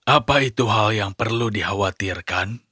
apa itu hal yang perlu dikhawatirkan